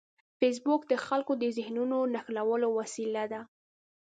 فېسبوک د خلکو د ذهنونو نښلولو وسیله ده